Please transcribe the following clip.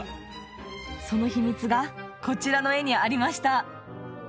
その秘密がこちらの絵にありました